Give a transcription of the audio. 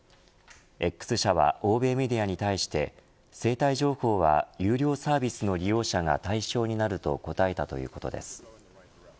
Ｘ社は欧米メディアに対して生体情報は有料サービスの利用者が対象になると答えたということです。